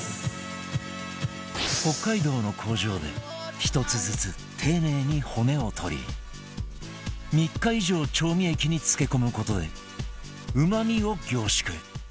北海道の工場で１つずつ丁寧に骨を取り３日以上調味液に漬け込む事でうまみを凝縮